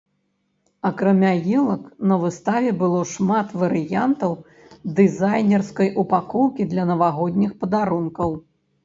Акрамя елак, на выставе было шмат варыянтаў дызайнерскай упакоўкі для навагодніх падарункаў.